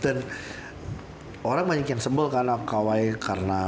dan orang banyak yang sembel karena kawai karena